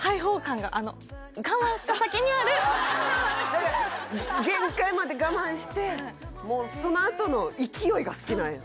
我慢した先にある限界まで我慢してもうそのあとの勢いが好きなんや？